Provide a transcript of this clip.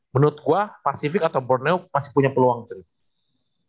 menurut gue pacific atau borneo masih punya peluang sih